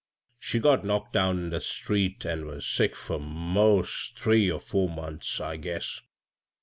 She got knocked down in the street, an' was sick fur mos' three or four months, I guess.